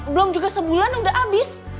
belom juga sebulan udah abis